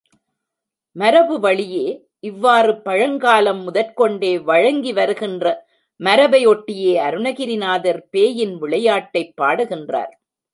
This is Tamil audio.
மரபு வழியே இவ்வாறு பழங்காலம் முதற்கொண்டே வழங்கி வருகின்ற மரபை ஒட்டியே அருணகிரிநாதர் பேயின் விளையாட்டைப் பாடுகின்றார்.